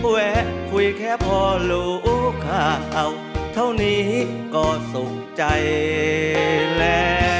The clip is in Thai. แวะคุยแค่พอรู้ข่าวเอาเท่านี้ก็ส่งใจแล้ว